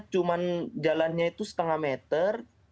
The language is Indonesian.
cuma jalannya itu setengah meter